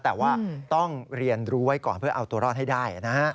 แต่ว่าต้องเรียนรู้ไว้ก่อนเพื่อเอาตัวรอดให้ได้นะฮะ